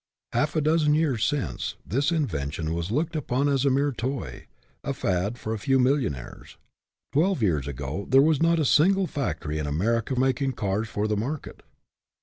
Half a dozen years since, this invention was looked upon as a mere toy, a fad for a few millionaires. Twelve years ago there was not a single factory in America making cars for the market.